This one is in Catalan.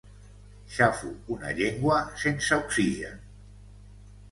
Xafo una llengua sense oxigen.